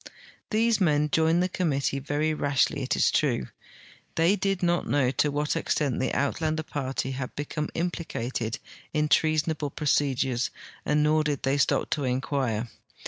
These men joined the com mittee very rashly, it is true. They did not know to what ex tent the Uitlander party had become implicated in treasonal)le procedures, nor did they stop to inquire.